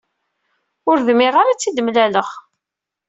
Ur dmiɣ ara ad t-id-mlaleɣ.